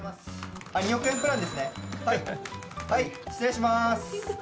はいはい失礼します。